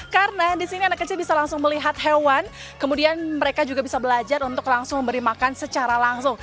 karena di sini anak kecil bisa langsung melihat hewan kemudian mereka juga bisa belajar untuk langsung memberi makan secara langsung